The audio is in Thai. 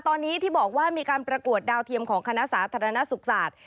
ตอนนี้ที่บอกว่ามีการประกวดดาวเทียมของคณะสาธารณสุขศาสตร์